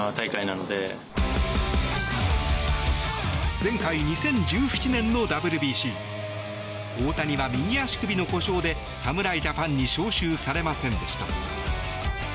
前回２０１７年のＷＢＣ大谷は右足首の故障で侍ジャパンに招集されませんでした。